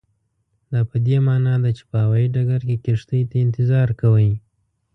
دا پدې معنا ده چې په هوایي ډګر کې کښتۍ ته انتظار کوئ.